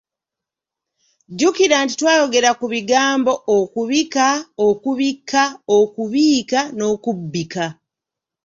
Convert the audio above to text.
Jjukira nti twayogera ku bigambo, okubika, okubikka, okubiika n'okubbika.